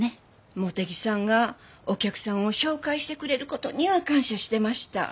茂手木さんがお客さんを紹介してくれる事には感謝してました。